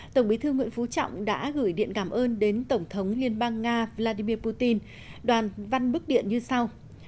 tổng bí thư nguyễn phú trọng đã gửi điện cảm ơn đến tổng thống liên bang nga vladimir putin đoàn văn bức điện như sau